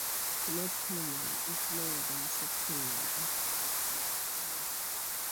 The North Colonel is lower than South Colonel, and farther from the Everest peak.